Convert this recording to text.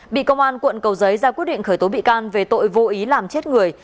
bị công an quận cầu giấy ra quyết định khởi tố bị can về tội vô ý làm chết người